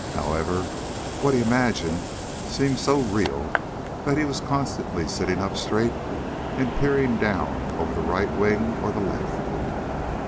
However, what he imagined seemed so real that he was constantly sitting up straight and peering down over the right wing or the left.